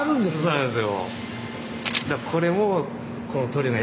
そうなんですよ。